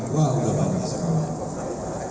wah udah banyak sekali